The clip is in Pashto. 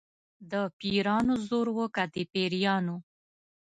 د پیرانو زور و که د پیریانو.